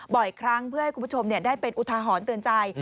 บ่อยครั้งเพื่อให้คุณผู้ชมได้เป็นอุทาหรณ์เตือนใจ